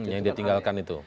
yang ditinggalkan itu